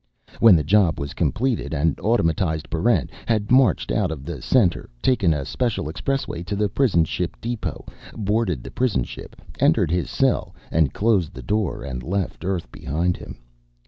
When the job was completed, an automatized Barrent had marched out of the center, taken a special expressway to the prison ship depot, boarded the prison ship, entered his cell, and closed the door and left Earth behind him.